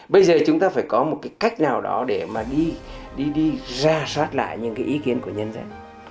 bây giờ chúng ta phải có một cái cách nào đó để mà đi ra soát lại những cái ý kiến của nhân dân